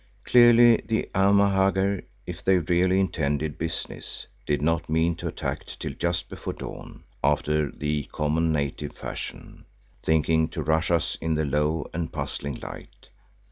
Clearly the Amahagger, if they really intended business, did not mean to attack till just before dawn, after the common native fashion, thinking to rush us in the low and puzzling light.